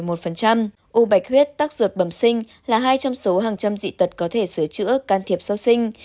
u bạch huyết tắc ruột bẩm sinh là hai trong số hàng trăm dị tật có thể sửa chữa can thiệp sau sinh